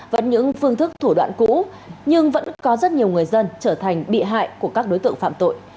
vẫn những phương thức thủ đoạn cũ nhưng vẫn có rất nhiều người dân trở thành bị hại của các đối tượng phạm tội